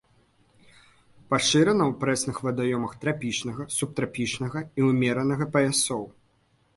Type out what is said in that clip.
Пашырана ў прэсных вадаёмах трапічнага, субтрапічнага і ўмеранага паясоў.